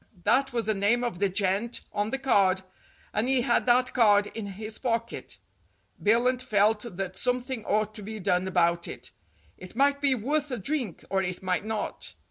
That was the name of the gent on the card, and he had that card in his pocket. Billunt felt that something ought to be done about it. It might be worth a drink, or it might not.